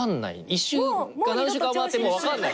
１周か何周か回ってもう分かんない。